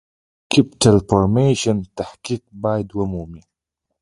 د Capital Formation تحقق باید ومومي.